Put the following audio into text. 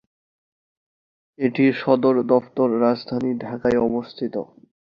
এটি সদরদপ্তর রাজধানী ঢাকায় অবস্থিত।